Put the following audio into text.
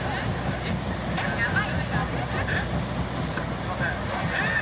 すいませんえっ？